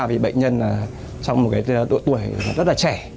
vì bệnh nhân trong một tuổi rất là trẻ